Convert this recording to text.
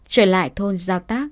trở lại thôn giao tác